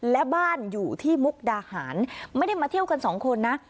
และบ้านอยู่ที่มุกดาหารไม่ได้มาเที่ยวกันสองคนนะ